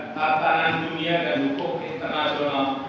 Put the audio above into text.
tatanan dunia dan hukum internasional